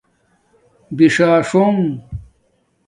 بِݽݽاݽونݣ